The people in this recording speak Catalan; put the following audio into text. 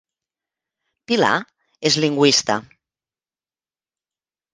Pilar és lingüista